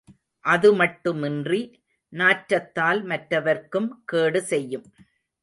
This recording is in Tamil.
அதுமட்டுமின்றி நாற்றத்தால் மற்றவர்க்கும் கேடு செய்யும்.